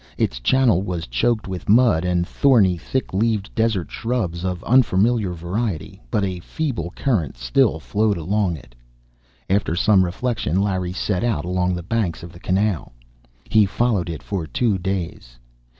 Its channel was choked with mud and thorny, thick leaved desert shrubs of unfamiliar variety; but a feeble current still flowed along it. After some reflection, Larry set out along the banks of the canal. He followed it for two days.